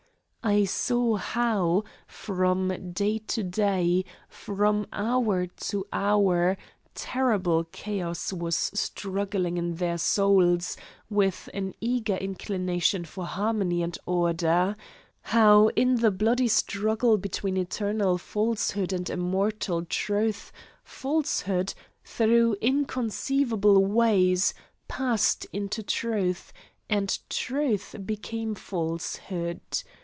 I saw how, from day to day, from hour to hour, terrible chaos was struggling in their souls with an eager inclination for harmony and order; how in the bloody struggle between eternal falsehood and immortal truth, falsehood, through inconceivable ways, passed into truth, and truth became falsehood.